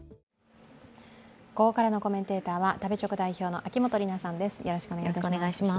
ここからのコメンテーターは食べチョク代表の秋元里奈さんです。